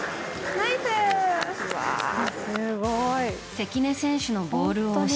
関根選手のボールを押し